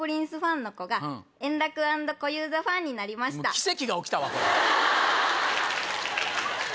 奇跡が起きたわ！